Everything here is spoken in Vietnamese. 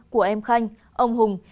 của em khanh ông hùng